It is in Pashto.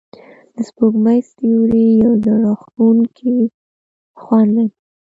د سپوږمۍ سیوری یو زړه راښکونکی خوند لري.